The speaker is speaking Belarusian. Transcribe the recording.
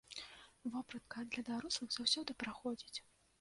Вопратка для дарослых заўсёды праходзіць.